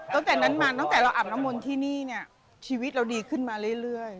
ตั้งแต่เราอาบน้ำมนต์ที่นี่ชีวิตเราดีขึ้นมาเรื่อย